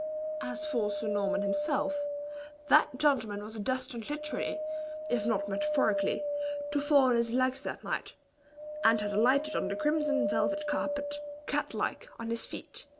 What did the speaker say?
As for Sir Norman himself, that gentleman was destined literally, if not metaphorically, to fall on his legs that night, and had alighted on the crimson velvet carpet, cat like, on his feet.